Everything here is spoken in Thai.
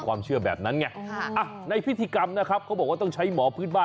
คือคนสมัยก่อนนะ